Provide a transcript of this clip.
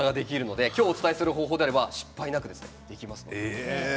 今日お伝えする方法は失敗なくできます。